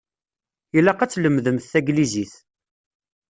Ilaq ad tlemdemt taglizit.